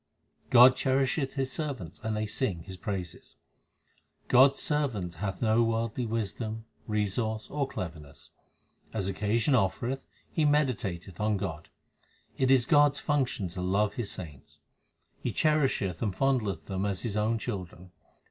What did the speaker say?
God cherishes His servants, and they sing His praises : God s servant hath no worldly wisdom, resource, or cleverness ; As occasion offereth, he meditateth on God. It is God s function to love His saints ; He cherisheth and fondleth them as His own children.